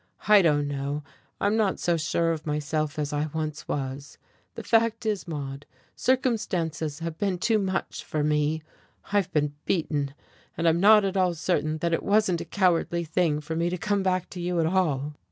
I don't know. I'm not so sure of myself as I once was. The fact is, Maude, circumstances have been too much for me. I've been beaten. And I'm not at all certain that it wasn't a cowardly thing for me to come back to you at all."